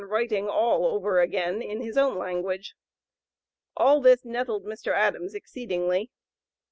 083) writing all over again in his own language. All this nettled Mr. Adams exceedingly.